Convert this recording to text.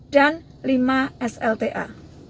dan lima slta